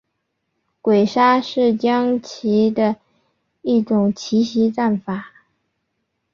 鬼杀是将棋的一种奇袭战法。